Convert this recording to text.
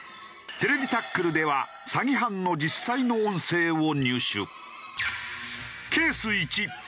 『ＴＶタックル』では詐欺犯の実際の音声を入手。